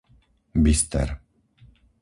Byster